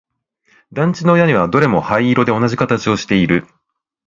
団地の屋根はどれも灰色で同じ形をしている